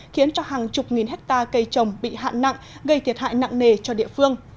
khiến cho hàng chục nghìn hectare cây trồng bị hạn nặng gây thiệt hại nặng nề cho địa phương